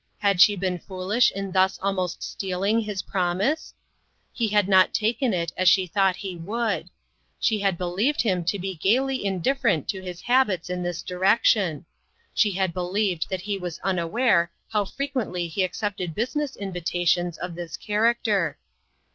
Had she been foolish in thus almost stealing his promise ? He had not taken it as she had thought he would. She had be lieved him to be gayly indifferent to his habits in this direction ; she had believed that he was unaware how frequently he accepted business invitations of this charac ter.